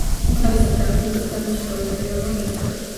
Una vez el Travel Bug está en nuestro poder, debemos registrarlo.